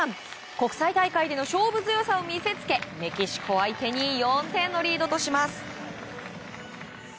国際大会での勝負強さを見せつけメキシコ相手に４点のリードとします。